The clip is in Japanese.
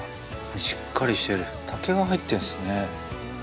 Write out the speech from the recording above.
しっかりしてる竹が入ってるんですね。